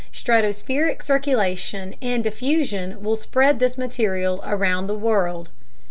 Stratospheric circulation and diffusion will spread this material around the world.